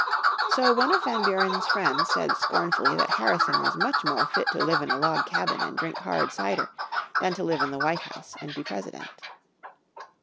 So one of Van Buren's friends said scornfully that Harrison was much more fit to live in a log cabin and drink hard cider than live in the White House and be President.